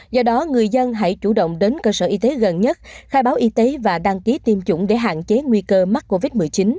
do đó người dân hãy chủ động đến cơ sở y tế gần nhất khai báo y tế và đăng ký tiêm chủng để hạn chế nguy cơ mắc covid một mươi chín